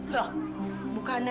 loh bukan nona